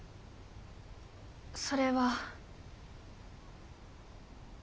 それは。